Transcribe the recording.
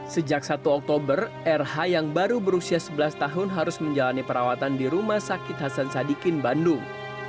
sejak satu oktober rh yang baru berusia sebelas tahun harus menjalani perawatan di rumah sakit hasan sadikin bandung